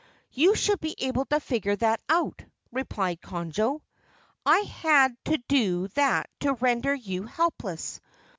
"You should be able to figure that out," replied Conjo. "I had to do that to render you helpless.